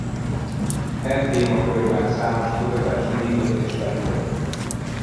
E témakörben számos kutatást indított és felügyelt.